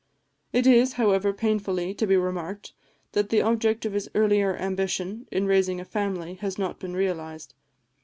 It is, however painfully, to be remarked, that the object of his earlier ambition, in raising a family, has not been realised.